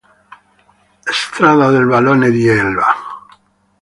Strada del vallone di Elva.